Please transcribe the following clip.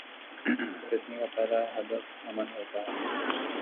فتنے کا پہلا ہدف امن ہو تا ہے۔